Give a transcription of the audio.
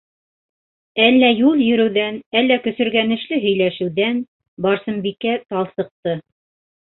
Әллә юл йөрөүҙән, әллә көсөргәнешле һөйләшеүҙән - Барсынбикә талсыҡты.